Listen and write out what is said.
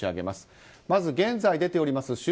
まず、現在出ております